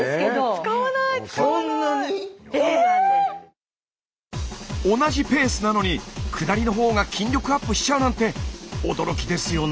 えぇ⁉同じペースなのに下りのほうが筋力アップしちゃうなんて驚きですよね。